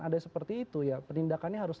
ada seperti itu ya penindakannya harus